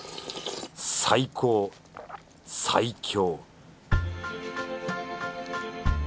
最高最強